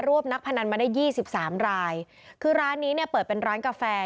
นักพนันมาได้ยี่สิบสามรายคือร้านนี้เนี่ยเปิดเป็นร้านกาแฟ